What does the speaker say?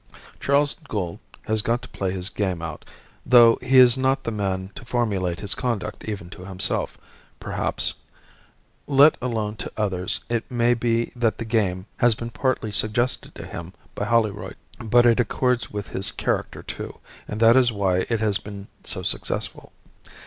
Charles Gould has got to play his game out, though he is not the man to formulate his conduct even to himself, perhaps, let alone to others. It may be that the game has been partly suggested to him by Holroyd; but it accords with his character, too; and that is why it has been so successful.